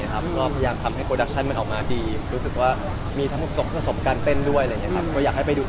ทุกผู้เลือกไปที่ไปไหนกันไง